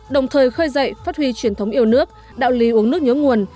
đồng thời khơi dậy phát huy truyền thống yêu nước đạo lý uống nước nhớ nguồn